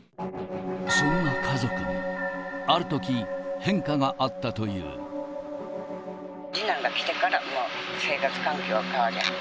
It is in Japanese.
そんな家族にあるとき、次男が来てから、もう生活環境が変わりはった。